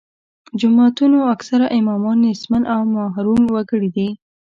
جوماتونو اکثره امامان نیستمن او محروم وګړي دي.